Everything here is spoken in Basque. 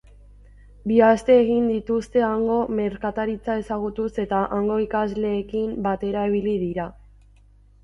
Bi aste egin dituzte hango merkataraitza ezagutuz eta hango ikasleekin batera ibili dira.